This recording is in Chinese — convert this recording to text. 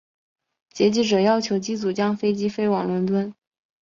劫机者要求机组将飞机飞往伦敦。